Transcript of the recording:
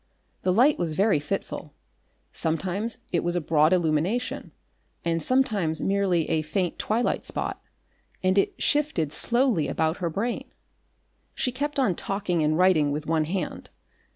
The light was very fitful; sometimes it was a broad illumination, and sometimes merely a faint twilight spot, and it shifted slowly about her brain. She kept on talking and writing with one hand.